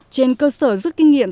trên cơ sở rước kinh nghiệm